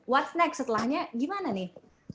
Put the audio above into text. what's next setelahnya gimana nih